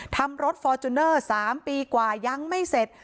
ทำรถฟอร์จูเนอร์๓ปีกว่ายังไม่เสร็จ